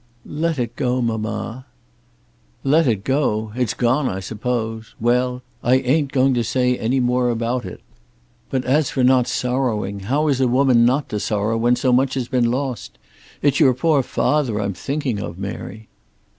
"Let it go, mamma." "Let it go! It's gone I suppose. Well; I ain't going to say any more about it. But as for not sorrowing, how is a woman not to sorrow when so much has been lost? It's your poor father I'm thinking of, Mary."